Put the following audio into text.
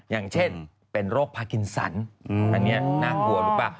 อย่างเช่นเป็นโรคพากินสันอันนี้น่ากลัวหรือเปล่า